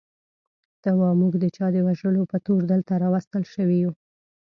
ته وا موږ د چا د وژلو په تور دلته راوستل شوي یو.